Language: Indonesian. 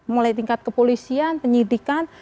mulai tingkat kepolisian penyidikan